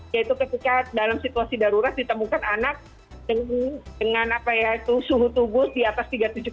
yaitu ketika dalam situasi darurat ditemukan anak dengan suhu tubuh di atas tiga ratus tujuh puluh